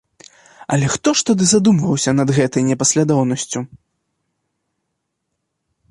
Але хто ж тады задумваўся над гэтай непаслядоўнасцю?